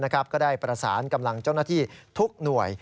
ก็ได้ประสานกำลังเจ้าหน้าที่ทุกหน่วย